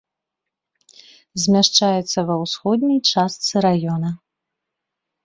Змяшчаецца ва ўсходняй частцы раёна.